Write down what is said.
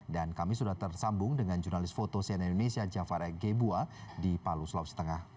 dan kami sudah tersambung dengan jurnalis foto cnn indonesia jafar ege bua di palu sulawesi tengah